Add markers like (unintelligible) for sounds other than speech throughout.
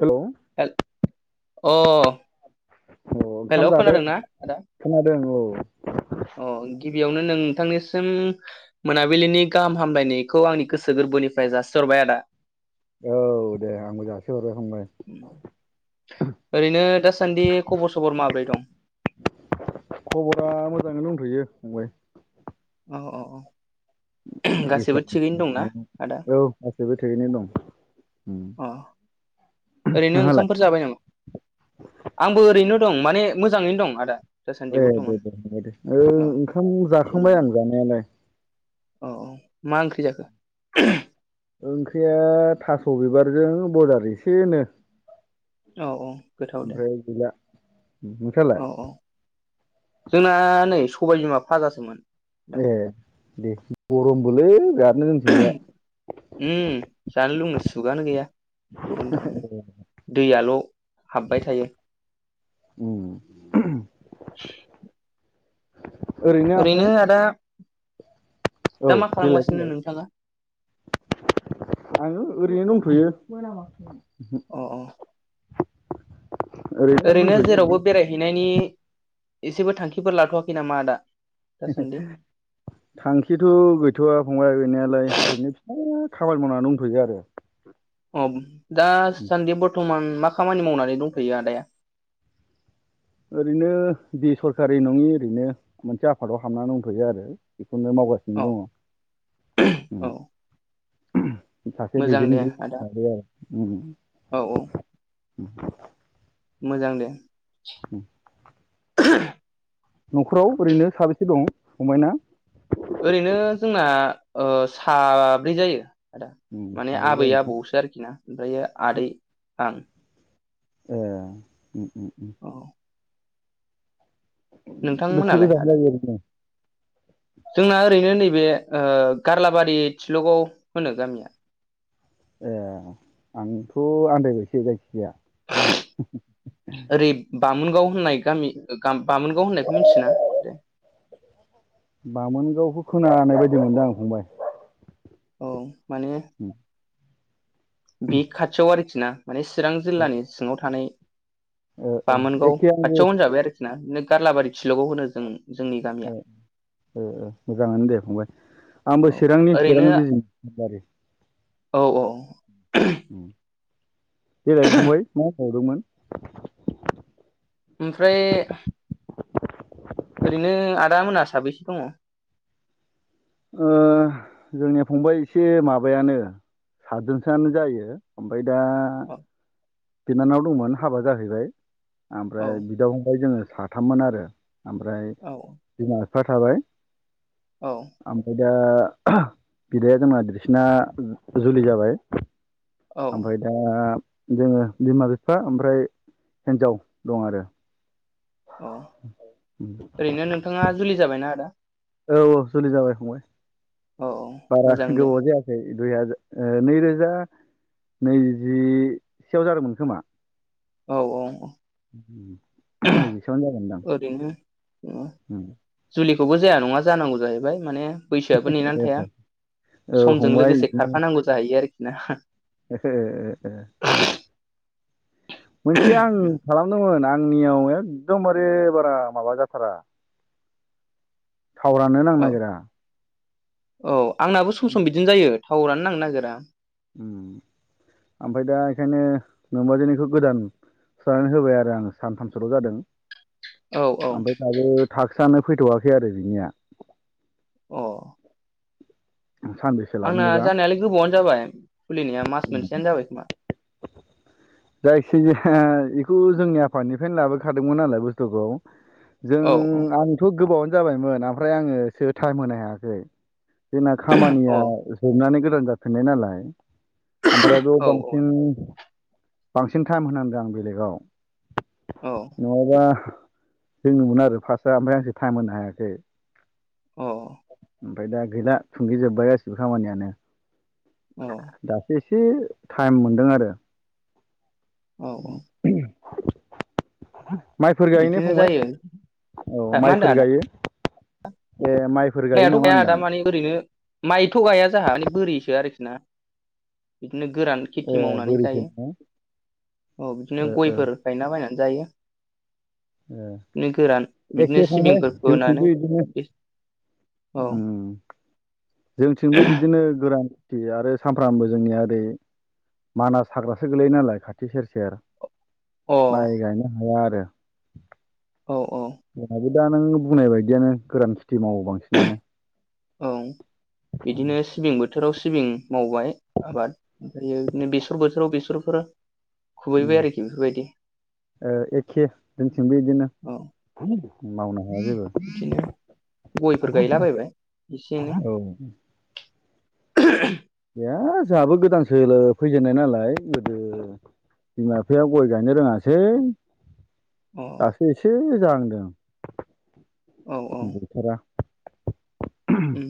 Hello हेल अ' अ ओंखाम हेलौ जादों खोनादोंना आदा? खोनादों औ थांनिसिम मोनाबिलिनि गाहाम हामलायनायखौ आंनि गोसो गोर्बोनिफ्राय जासिहरबाय आदा। औ दे आंबो जासिहरो ओरैनो दासान्दि खबर सबर माब्रै दं? खबरा मोजाङैनो दंथ'यो फंबाय। अ अ अ इस्वरनि अन्नायाव, आदा औ गासैबो थिगैनो दं। उम अ ओरैनो नोंहालाय ओंखामफोर जाबाय नामा? आंबो ओरैनो दं माने मोजाङैनो दं आदा। दासान्दि ए बर्थमान दे दे बा दे ओ औ ओंखाम जाखांबाय आं जानायालाय औ अ मा ओंख्रि जाखो? ओंख्रिया थास' बिबारजों बायलार एसेनो औ औ गोथाव दे ओमफ्राय गैला नोंस्रालाय औ औ जोंना नै सबाय बिमा फाजासोमोन। ए दे गरमबोलै बिरात उम जानो लोंनो सुगानो गैया गरमनि थाखायनो दैयाल' हाबबाय थायो उम (inaudible) ओरैनो आदा औ दा मा देलाय खालामगासिनो बुंलाय नोंथाङा? आङो ओरैनो दंथ'यो। अ अ ओरैनो जेरावबो बेरायहैनायनि एसेबो थांखिफोर लाथ'वाखै नामा आदा? दासान्दि (unintelligible) थांखिथ' गैथ'वा फंबाय गैनायालाय ओरैनो फिसा खामानि मावना दोंथयो आरो अ दासान्दि बरतमान मा खामानि मावनानै दंथ'यो आदाया? ओरैनो बेसरकारि नङि ओरैनो मोनसे आफादाव हाबनानै दंथ'यो आरो बे- खौनो औ मावगासिनो दङ औ उम सासे मोजां दे दैदेनगिरि आदा आरो उम औ औ मोजां दे उम (unintelligible) न'खराव ओरैनो साबेसे दं फंबायना? ओरैनो जोंना ओ साब्रै जायो। आदा उम माने साब्रै आबै जायोना आबौसो आरोखि ना ओमफ्रायो आदै आं ए उम उम उम औ बिसोर नोंथांमोनालाय द आदा (unintelligible) जोंना ओरैनो नैबे ओ गारलाबारि थिलगाव होनो गामिया ए आंथ' आन्दायबायसो जाय गाया ओरै बामोनगाव होननाय गामि गा-गाम बामोनगाव होननायखौ मिथियोना दे? बामोनगावखौ खोनानाय बायदि मोनदां आं फंबाय औ माने उम बे खाथियाव आरोखि ना माने चिरां जिल्लानि सिङाव थानाय ओ ओ बामोनगाव एखे आं खाथियाव होनजाबाय आरोखि ना नो गारलाबारि थिलगाव होनो जों नि गामिया ए ए मोजाङानो दे फंबाय आंबो औ चिरांनि ओरैनो चिरां बिजि दारि औ औ अम देलाय फंबाय मा सोदोंमोन? ओमफ्राय ओरैनो आदा मोना साबैसे दङ? ओ जोंनिया फंबाय एसे माबायानो सातजोनसोआनो जायो ओमफ्राय दा बिनानाव दंमोन हाबा जाहैबाय औ ओमफ्राय बिदा फंबाय जोङो साथाममोन आरो ओमफ्राय औ बिमा बिफा थाबाय औ ओमफ्राय दा बिदाया जोंना देरसिना जुलि जाबाय आमफ्राय दा जोङो बिमा बिफा ओमफ्राय हिन्जाव दं आरो औ। ओरैनो नोंथाङा जुलि जाबायना आदा? औ औ जुलि जाबाय फंबाय औ औ बारा मोजां दे गोबाव जायाखै। दुइ हाजार ओ नैरोजा नैजि सेयाव जादोंमोन खोमा औ औ औ उम नैजिसेयावनो जागोनदां ओरैनो उम जुलि खौवबो जाया नङा जानांगौ जाहैबाय माने बैसोआबो नेनानै थाया औ समजों फंबाय लोगोसे खारफानांगौ जाहैयो आरोखि ना हा ओहो मोनसे आं खालामदोंमोन आं नियाव एकदमबारे बारा माबा जाथारा टावारानो नांनो औ नागिरा औ आंनाबो सम-सम बिदिनो जायो थावरानो नांनो नागिरा उम ओमफ्राय दा बेखायनो नोमबाजैनिखौ गोदान सोनानै होबाय आरो आं सानथामसोल' जादों औ औ ओमफ्राय दायो थाखसआानो फैथ'वाखै आरो बिनिया अ सानबेसे लागोन आंना एबा जानायालाय गोबावनो जाबाय खुलिनाया मास मोनसेयानो जाबाय खोमा जायखिजाया बेखौ जोंनि आफा निफ्रायनो लाबोखादोंमोन नालाय बुस्थुखौ जों औ आंथ' गोबावानो जाबायमोन ओमफ्राय आङोसो टाइम होनो हायाखै जोंना अ खामानिया जोबनानै गोदान जाफिननाय नालाय ओमफ्राय बेयाव औ बांसिन-बांसिन टाइम होनांदों आं बेलेगाव नङाबा दोङोमोन आरो फार्स्टआ ओमफ्राय आंसो टाइम होनो हायाखै। अ ओमफ्राय दा गैला थुंगिजोबबाय गासिबो खामानियानो अ दासो एसे टाइम मोनदों आरो औ औ (inaudible) माइफोर गायो ने बिदिनो फंबाय जायो औ मा होनदों माइफोर गायो? ए माइफोर गायो माइयाथ नामा गाया दा होनदां मानि ओरैनो माइथ' गाया जाहा माने बोरिसो आरोखि ना नो गोरान ए खेथि मावनानै बोरिसो जायो नामा औ बिदिनो ओ ओ गयफोर गायला बायनानै जायो ओ नो गोरान बिदिनो एखे फंबाय सिबिंफोर जोंथिंबो फोनानै बिदिनो औ जोंनिथिंबो बिदिनो गोरान खाथि आरो सामफ्रामबो जोंनिया ओरै मानास हाग्रासो गोलैयो नालाय खाथि सेर-सेर अ माइ गायनो हाया आरो। औ औ जोंहाबो दा नों बुंनाय बायदियानो गोरान खेथि मावो बांसिनानो। औ बिदिनो सिबिंबो बोथोराव सिबिं मावबाय आबाद, ओमफ्रायो बिदिनो बेसर बोथोराव बेसरफोर ओम खुबैबाय आरोखि बेफोरबायदि एखे जोंनिथिंबो बिदिनो औ (unintelligible) मावनो हाया बिदिनो जेबो गयफोर गायलाबायायबाय एसे एनै (unintelligible) दा जोंहाबो गोदानसोलो फैजेननाय नालाय गोदो बिमा बिफाया गय गायनो रोङासै अ दासो एसे जांहांदों औ औ गैथारा उम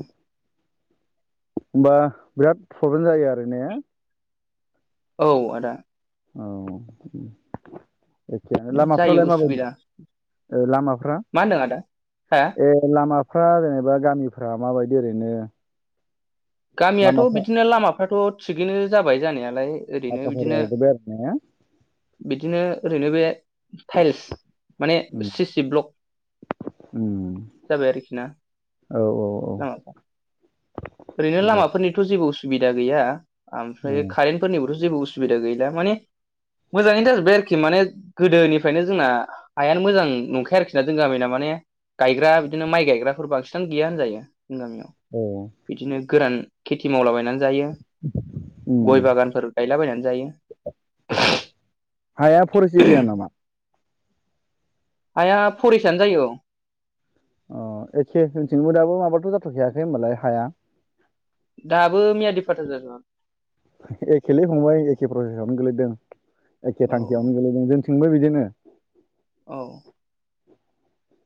होमबा बिराद प्रब्लेम जायो आरो ने? औ आदा औ एखि जायो लामाफ्रालाय माबायदि? उसुबिदा ओ लामाफ्रा मा होनदों आदा हा ए लामा फ्रा जेनेबा गामिफ्रा माबायदि ओरैनो? गामियाथ' लामाफ्रा बिदिनो लामाफ्राथ' थिगैनो जाबाय जानायालाय ओरैनो फाखा फारि बिदिनो जाजोब्बाय आरो ने बिदिनो ओरैनो बे टाइलस माने उम सि सि ब्लक उम जाबाय आरोखि ना औ औ औ नामा ओरै ओरैनो दे लामाफोरनिथ' जेबो उसुबिदा गैया औ आमफ्राय कारेन्ट फोरनिबो' जेबो उसु सुबिदा गैला माने मोजाङैनो जाजोब्बाय आरोखि माने गोदोनिफ्रायनो जोंना हायानो मोजां नंखाया आरोखि ना जों गामिना माने गायग्रा बिदिनो माइ गायग्राफोर बांसिनानो गैया होन जायो जों गामियाव औ बिदिनो गोरान खेथि मावलाबायनानै जायो उम गय बागानफोर गायलाबायनानै जायो। हाया फरेस्ट एरिया नामा? हइया फरायिसायानो जायो औ अ एखे जोंथिंबो दाबो माबाथ' जाथ'खायाखै होनबालाय हाया दाबो मियादि फाथा जाजोबा एखेलै फंबाय। एखे प्रसेेसआवनो गोलैदों एखे औ थांखियावनो गोलैदों जोंथिंबो बिदिनो औ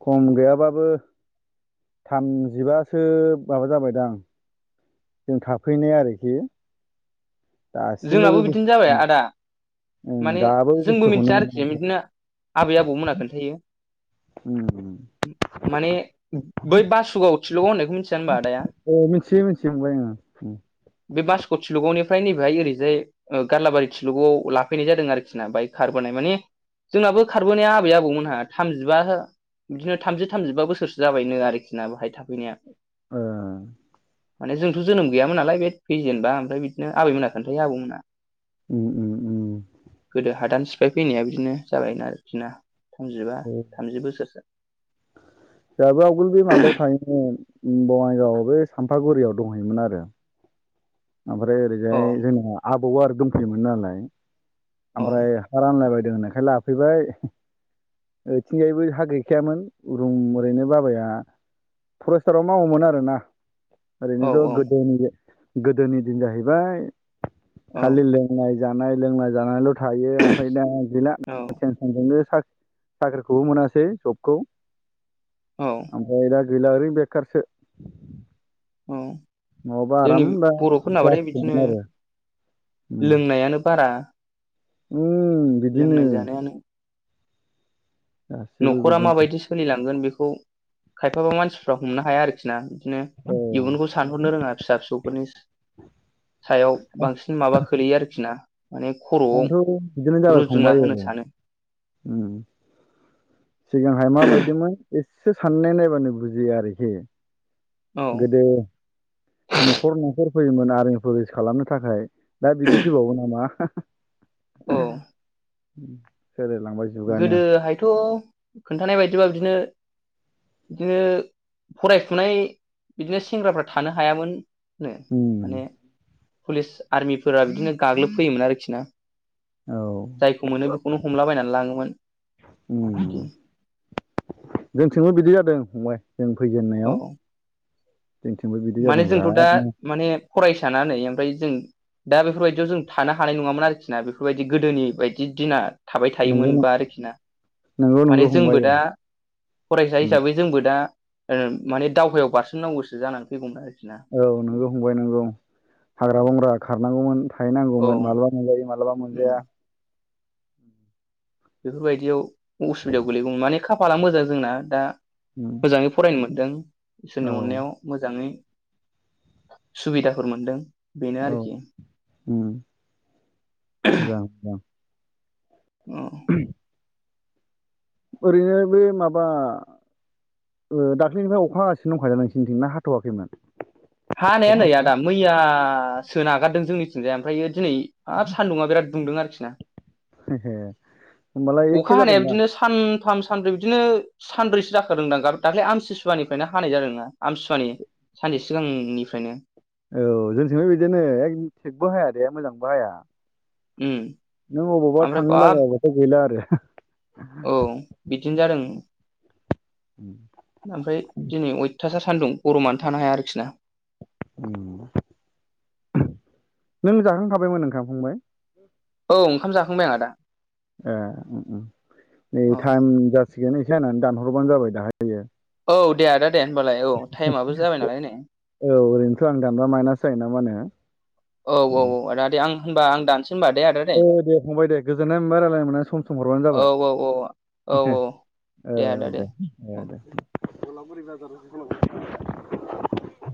खम गैयाबाबो थामजिबासो माबा जाबायदां जों थाफैनाय आरोखि दासिमबो बे जोंनाबो बिदिनो जाबाय बुस्थु आदा माने दाबो बे जोंबो बुस्थुखौनो मिथिया मोना आरोखि बिदिनो आबै आबौमोना खोनन्थायो उम माने बै बासुगाव थि औ मिथियो मिथियो फंबाय ओ ओ बेहाय ओरैजाय ओ गारलाबारि थिलुगआव लाफैनाय जादों आरोखि ना बेहाय खारबोनाय माने जोंनाबो खारबोनाया आबै आबौमोनहा थामजिबा बिदिनो थामजि थामजिबा बोसोरसो जाबायनो आरोखि ना बहाय थाफैनाया ओ माने जोंथ' जोनोम गैयामोनालाय बे फैजेनबा ओमफ्राय बिदिनो आबैमोना खोन्थायो आबौमोना उम उम उम गोदो हादान सिफाय फैनाया बिदिनो जाबायना आरोखि ना थामजिबा थामजि बोसोरसो जोंहाबो आवगोल बे माबायाव थायोमोन उम बङाइगाव बै सामफागुरियाव दंहैयोमोन आरो ओमफ्राय औ ओरैजाय जोंना आबौआ आरो दंफैयोमोन नालाय औ ओमफ्राय हा रानलाबायदो दोंनायखाय लाफैबाय ओथिंजायबो हा गैखायामोन रुम ओरैनो बाबाया फरेस्टाराव मावोमोन आरोना औ ओरैनोथ' औ गोदोनि गोदोनि दिन जाहैबाय औ खालि लोंनाय जानाय लोंनाय जानायल' थायो ओमफ्राय दा गैला औ टेनसनजोंनो साख्रि साख्रिखौबो मोनासै जबखौ औ ओमफ्राय दा गैला ओरैनो बेखारसो औ नङाबा जोंनि आराम दा बर'फोरनाबाथाय बिदिनो जासिगौमोन आरो लोंनायानो बारा ओम बिदिनो लोंनाय जानायानो गासिबो नखरा बिदिनो माबायदि सोलिलांगोन बेखौ खायफाबा मानसिफ्रा हमनो हाया आरोखि ना? बिदिनो औ इयुनखौ सानहरनो रोङा फिसा फिसौफोरनि सायाव बांसिन माबा खोलैयो आरोखि ना। माने खर'आव आंथ' बिदिनो जाबाय रुजुना थांबाय होनो सानो ओम सिगांहाय माबायदिमोन एसे साननाय नायबानो बुजियो आरोखि औ गोदो नखर नखर फैयोमोन आरमि पुलिस खालामनो थाखाय दा बिदि फैबावो नामा हा हा औ ओम गोदोहायथ' खोन्थानाय बायदिबा बिदिनो बिदिनो फरायफुनाय बिदिनो सेंग्राफ्रा थानो हायामोन। होनो उम माने पुलिस आर्मिफोरा बिदिनो गाग्लोब फैयोमोन आरोखि ना। औ जायखौ मोनो बेखौनो हमलाबायनानै लाङो। ओम जोंथिंबो बिदि जादों फंबाय जों औ फैजेननायाव जोंथिंबो बिदि माने जादों जोंथ' दा बिरादनो माने फरायसाना नै ओमफ्राय जों दा बेफोरबायदियाव जों थानो हानाय नङामोन आरोखि ना बेफोरबायदि गोदोनि बायदि दिना थाबाय नंगौ थायोमोनबा आरोखि ना। नंगौ माने नंगौ फंबाय जोंबो औ दा फरायसा उम हिसाबै जोंबो दा ओं माने दावहायाव बारसोमनांगौसो जानानै फैगौमोन आरो औ नोंगौ फंबाय नोंगौ हाग्रा-बंग्रा खारनांगौमोन औ थाहैनांगौमोन माब्लाबा मोनजायो मालाबा उम मोनजाया बेफोरबायदियाव उसुबिदायाव गोलैगौमोन माने खाफाला मोजां जोंना दा। उम मोजाङै फरायनो मोनदों इसोरनि औ अननायाव मोजाङै सुबिदाफोर मोनदों। बेनो औ आरोखि ओम (inaudible) औ (unintelligible) ओरैनो बै माबा ओ दाख्लैनिफ्राय अखा हागासिनो दंखायो नोंसोरनिथिं ना हाथवाखैमोन? हानाया अखा नै आदा मैया सो नागारदों जोंनिथिंजाय ओमफ्रायो दिनै हाब सान्दुङा बिराद दुंदों आरोखि ना एहे होमबालाय एखे अखा हानाया जादोंदां बिदिनो सान थाम सानब्रै बिदिनो सानब्रैसो जाखोदोंदां दाख्लै आमथिसुवानिफ्रायनो हानाय जादोंनो आमथिसुवानि सानसे सिगांनिफ्रायनो। औ जोंथिंबो बिदिनो एकदम थिकबो हाया दे मोजांबो हाया। उम नों अबावबा ओमफ्राय थांनो बाब लागायाबाथ' गैला आरो औ बिदिनो जादों। ओम ओमफ्राय दिनै अयथासार सान्दुं गरमानो थानो हाया आरोखि ना। ओम नों जाखां खाबायमोन ओंखाम फंबाय? औ ओंखाम जाखांबाय आं आदा। ए ओम ओम नै औ टाइम जासिगोन एसे होननानै दानहरबानो जाबाय दाहाय औ दे आदा दे होनबालाय औ टाइममाबो जाबाय नालाय नेै औआं दानबा माइनास जायोना मा नो? औ औ औ आदा दे आं होनबा आं दानसै। होनबा दे आदा औ दे फंबाय दे गोजोननाय मोनबाय रायज्लायनो मोननानै सम सम हरबानो औ औ औ औ जाबाय। औ ओ दे ओ दे गलापुरि बाजाराव ओंखारलांबाय। (unintelligible)